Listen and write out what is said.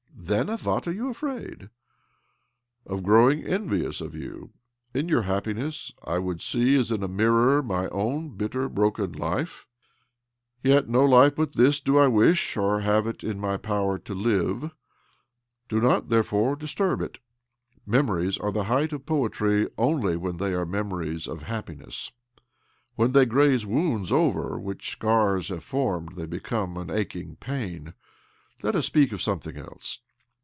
"Then of what are you afraid?" " Of growing envious of you. In your happiness I should see, as in a mirror, my own bitter, broken life. Yet no life but this do I wish, or have it in my power, to live. Do not, therefore, disturb it. Memories are the height of poetry only. when they are memories of happiness. When they graze wounds over which scars have formed they become an aching pain. Let us speak of something else.